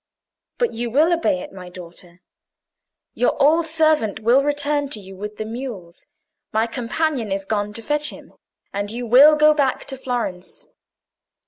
But you will obey it, my daughter. Your old servant will return to you with the mules; my companion is gone to fetch him; and you will go back to Florence."